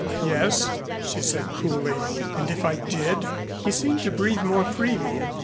"Yes," she said coolly. "And if I did?" He seemed to breathe more freely.